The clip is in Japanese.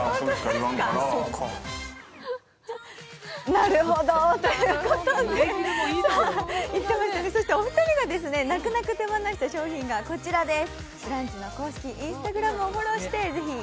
なるほどー！ということで、お二人が泣く泣く手放した商品がこちらです。